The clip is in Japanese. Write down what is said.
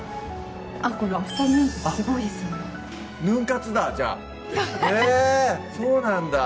これアフターヌーンティーすごいですねヌン活だじゃあへぇそうなんだ